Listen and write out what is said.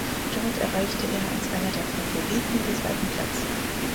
Dort erreichte er als einer der Favoriten den zweiten Platz.